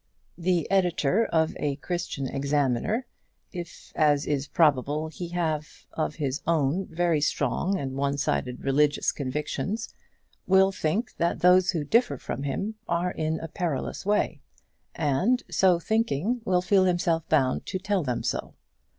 The editor of a Christian Examiner, if, as is probable, he have, of his own, very strong and one sided religious convictions, will think that those who differ from him are in a perilous way, and so thinking, will feel himself bound to tell them so.